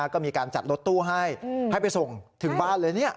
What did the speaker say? ก็มีการจัดรถตู้ให้ให้ไปส่งถึงบ้านเลย